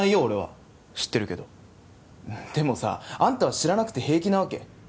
俺は知ってるけどでもさあんたは知らなくて平気なわけ？